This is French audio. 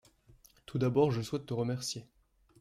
Tout d’abord je souhaite te remercier.